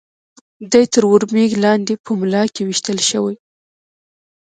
دی تر ور مېږ لاندې په ملا کې وېشتل شوی و.